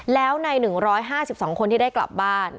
แล้วใน๑๕๒คนที่ได้กลับบ้าน